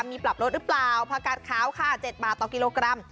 มีปรับลดหรือเปล่าผักกัดขาวค่ะ๗บาทต่อกิโลกรัม